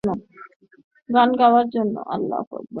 গান গাওয়ার জন্য।